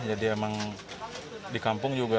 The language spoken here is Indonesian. jadi emang di kampung juga